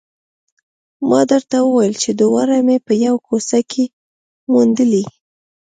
ما درته وویل چې دواړه مې په یوه کوڅه کې موندلي